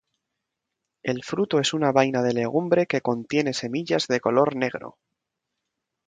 El fruto es una vaina de legumbre que contiene semillas de color negro.